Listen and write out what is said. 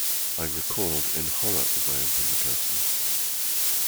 I recoiled in horror as I opened the curtains.